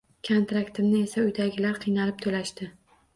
Kontraktimni esa uydagilar qiynalib to‘lashdi.